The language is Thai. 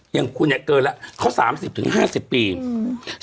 อย่างคุณเนี้ยเกินแล้วเขาสามสิบถึงห้าสิบปีอืม